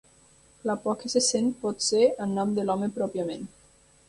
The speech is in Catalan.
La por que se sent pot ser en nom de l'home pròpiament.